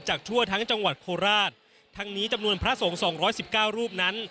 จากทั่วทั้งจังหวัดโคราชทั้งนี้จำนวนพระสงฆ์๒๑๙รูปนั้น